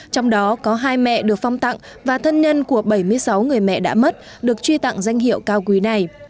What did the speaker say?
trong đó có hai mẹ được phong tặng và thân nhân của bảy mươi sáu người mẹ đã mất được truy tặng danh hiệu cao quý này